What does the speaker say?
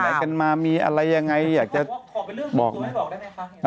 ไปไหนกันมามีอะไรอย่างไรอยากจะบอกแต่เขาเขาคิดว่า